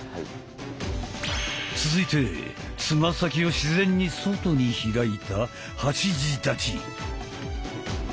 続いてつま先を自然に外に開いた「八字立ち」。